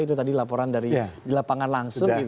itu tadi laporan dari di lapangan langsung